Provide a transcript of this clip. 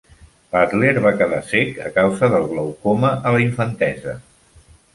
Butler va quedar cec a causa del glaucoma a la infantesa.